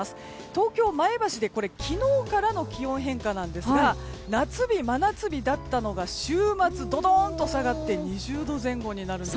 東京、前橋で昨日からの気温変化なんですが夏日、真夏日だったのが週末ドドンと下がって２０度前後になるんです。